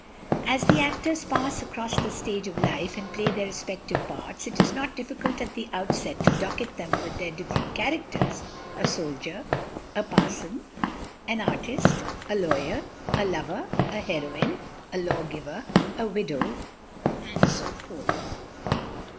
As the actors pass across the stage of life and play their respective parts, it is not difficult at the outset to docket them with their different characters — a soldier, a parson, an artist, a lawyer, a lover, a heroine, a law giver, a widow, and so forth.